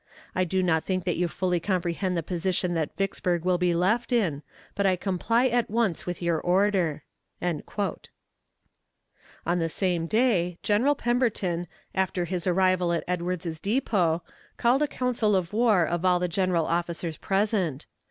... I do not think that you fully comprehend the position that Vicksburg will be left in; but I comply at once with your order." On the same day, General Pemberton, after his arrival at Edwards's Depot, called a council of war of all the general officers present.